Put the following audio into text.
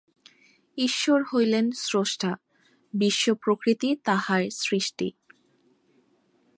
ঈশ্বর হইলেন স্রষ্টা, বিশ্বপ্রকৃতি তাঁহার সৃষ্টি।